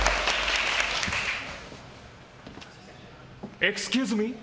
エクスキューズミー。